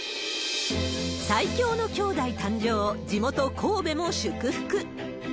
最強のきょうだい誕生、地元、神戸も祝福。